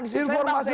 di sini saya paksain